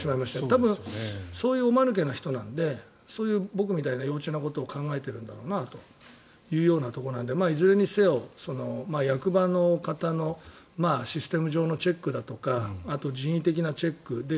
多分そういう間抜けな人なのでそういう僕みたいな幼稚なことを考えているんだろうなということなのでいずれにせよ、役場の方のシステム上のチェックだとかあと人為的なチェックで。